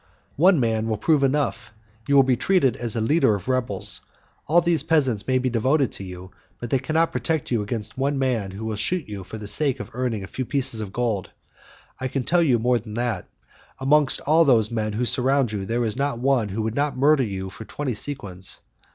"One man will prove enough; you will be treated as a leader of rebels. All these peasants may be devoted to you, but they cannot protect you against one man who will shoot you for the sake of earning a few pieces of gold. I can tell you more than that: amongst all those men who surround you there is not one who would not murder you for twenty sequins.